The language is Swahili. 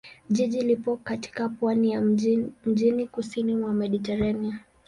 Jiji lipo katika pwani ya mjini kusini mwa Mediteranea.